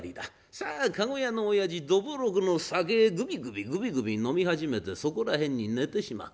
さあ駕籠屋のおやじどぶろくの酒ぐびぐびぐびぐび飲み始めてそこら辺に寝てしまう。